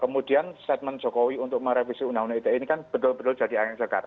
kemudian statement jokowi untuk merevisi undang undang ite ini kan betul betul jadi angin segar